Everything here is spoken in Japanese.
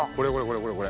これこれ。